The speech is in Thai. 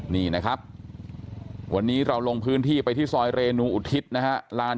นี่นะครับวันนี้เราลงพื้นที่ไปที่ซอยเรนูอุทิศนะฮะลาน